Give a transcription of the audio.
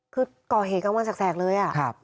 คือก่อเหตุกลางวันแสกเลย